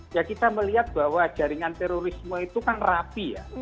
ya kita melihat bahwa jaringan terorisme itu kan rapi ya